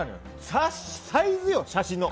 サイズよ、写真の。